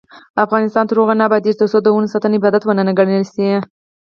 افغانستان تر هغو نه ابادیږي، ترڅو د ونو ساتنه عبادت ونه ګڼل شي.